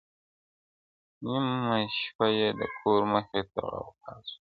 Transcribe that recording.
• نيمه شپه يې د كور مخي ته غوغا سوه -